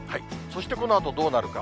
そしてこのあとどうなるか。